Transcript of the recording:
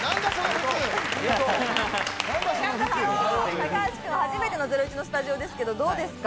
高橋君は初めてのゼロイチのスタジオですけど、どうですか？